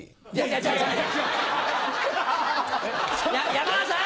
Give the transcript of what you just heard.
山田さん！